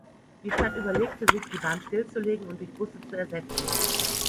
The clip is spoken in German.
Die Stadt überlegte sich, die Bahn stillzulegen und durch Busse zu ersetzen.